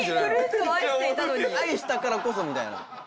愛したからこそみたいな。